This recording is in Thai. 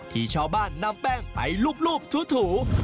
ที่ชาวบ้านนำแป้งไปรูปถู